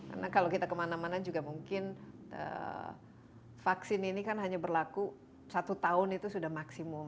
karena kalau kita kemana mana juga mungkin vaksin ini kan hanya berlaku satu tahun itu sudah maksimum